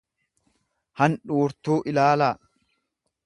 handhurtuu ilaalaa.